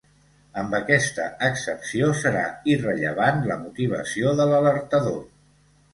Amb aquesta excepció, serà irrellevant la motivació de l’alertador.